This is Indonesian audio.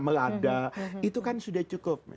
melada itu kan sudah cukup